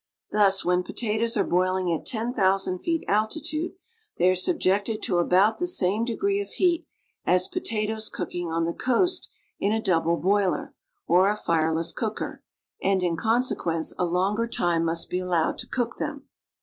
Thus, when potatoes are boiling at ten thousand feet altitude, they are subjected to about the same de gree of heat as potatoes cooking on the coast in a double boiler, or a fireless cooker, and, in consecjuence, a longer time must be allowed to cook them.